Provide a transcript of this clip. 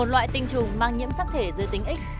một loại tinh trùng mang nhiễm sắc thể giới tính x